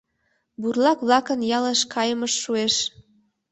Бурлак-влакын ялыш кайымышт шуэш.